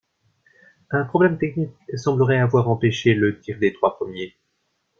Un problème technique semblerait avoir empêché le tir des trois premiers.